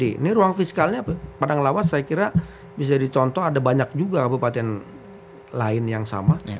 ini ruang fiskalnya padang lawas saya kira bisa jadi contoh ada banyak juga kabupaten lain yang sama